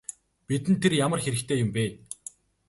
Бидэнд тэр ямар хэрэгтэй юм бэ?